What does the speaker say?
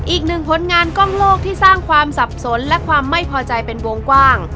อีกหนึ่งผลงานกล้องโลกที่สร้างความสับสนและความไม่พอใจเป็นวงกว้าง